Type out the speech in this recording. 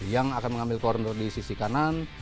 yang akan mengambil koridor di sisi kanan